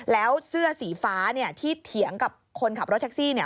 แล้วเสื้อสีฟ้าเนี่ยที่เถียงกับคนขับรถแท็กซี่เนี่ย